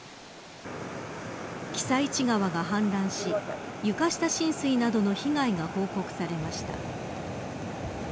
私都川が氾濫し床下浸水などの被害が報告されました。